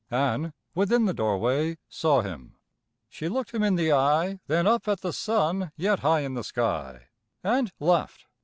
Ann, within the doorway, saw him. She looked him in the eye, then up at the sun yet high in the sky, and laughed.